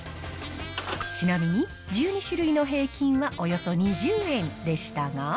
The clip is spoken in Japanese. ちなみに、１２種類の平均はおよそ２０円でしたが。